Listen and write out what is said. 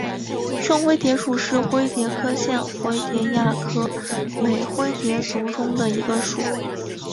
圣灰蝶属是灰蝶科线灰蝶亚科美灰蝶族中的一个属。